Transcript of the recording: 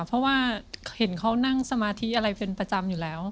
เพราะว่าเห็นเขานั่งสมาธิอะไรเป็นประจำอยู่แล้ว